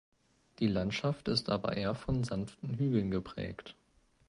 Die Landschaft ist aber eher von sanften Hügeln geprägt.